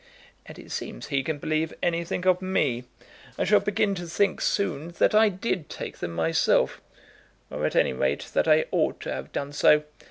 "And it seems he can believe anything of me. I shall begin to think soon that I did take them, myself, or, at any rate, that I ought to have done so.